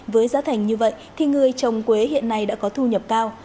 với giá thành như vậy thì người trồng quế hiện nay đã có thu nhập cao